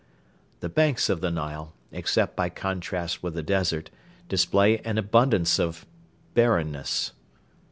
The banks of the Nile, except by contrast with the desert, display an abundance of barrenness.